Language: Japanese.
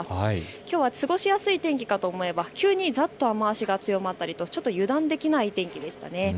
きょうは過ごしやすい天気かと思えば急にざっと雨足が強まったりという油断できない天気でしたね。